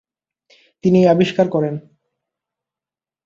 তিনি এই আবিষ্কার করেন।